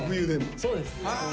そうですね。